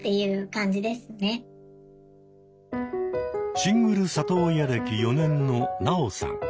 シングル里親歴４年のナオさん。